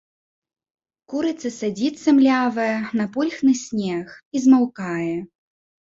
Курыца садзіцца, млявая, на пульхны снег і змаўкае.